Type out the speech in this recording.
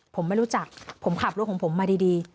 ผมไม่รู้จักผมขับรถของผมมาดี